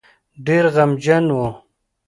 ډېر غمجن وو.